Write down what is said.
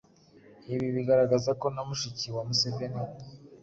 Ibi bigaragaza ko na mushiki wa Museveni,